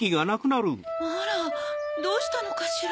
あらどうしたのかしら？